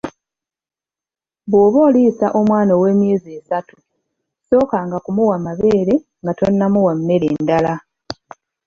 Bw'oba oliisa omwana ow'emyezi esatu , sookanga kumuwa mabeere nga tonnamuwa mmere ndala.